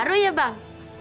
baru ya bang